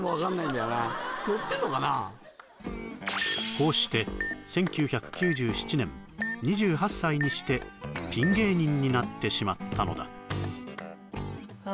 こうして１９９７年２８歳にしてピン芸人になってしまったのだあ